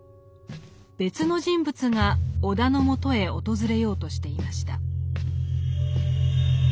別の人物が尾田の元へ訪れようとしていました。